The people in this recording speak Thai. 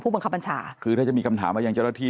บังคับบัญชาคือถ้าจะมีคำถามมายังเจ้าหน้าที่